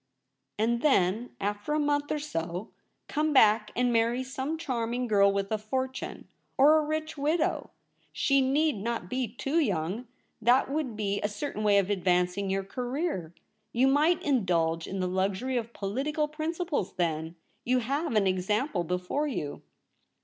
' And then, after a month or so, come back and marry some charming girl with a fortune, or a rich widow — she need not be too young — that would be a certain way of advancing your career ! You might indulge in the luxury of political principles then. You have an example before you.'